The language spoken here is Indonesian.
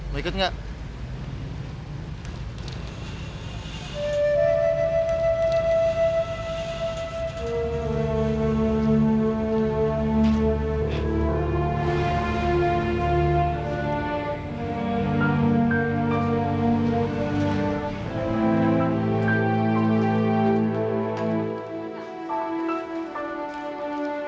mau ikut gak